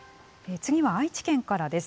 次は愛知県からです。